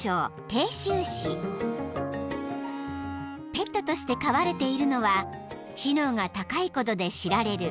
［ペットとして飼われているのは知能が高いことで知られる］